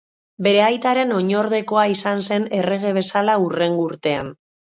Bere aitaren oinordekoa izan zen errege bezala hurrengo urtean.